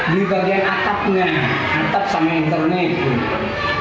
di bagian atapnya atap sama internet